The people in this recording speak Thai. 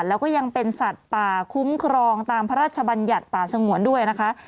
แล้วก็ยังเป็นสัตว์ป่าคุ้มครองตามพระราชบัญญัติป่าสงวนด้วยนะคะ